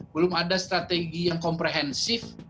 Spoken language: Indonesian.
belum ada strategi yang komprehensif